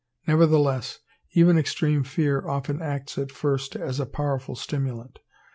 Nevertheless, even extreme fear often acts at first as a powerful stimulant.